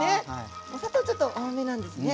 お砂糖ちょっと多めなんですね。